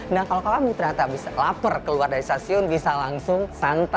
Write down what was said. nah kalau kamu ternyata bisa lapar keluar dari stasiun bisa langsung santai